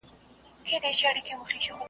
هسي نه چي دي د ژوند وروستی سفر سي .